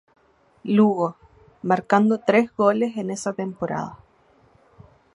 Lugo, marcando tres goles en esa temporada.